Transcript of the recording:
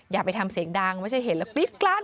อย่าไปทำเสียงดังไม่ใช่เห็นแล้วกรี๊ดกลั้น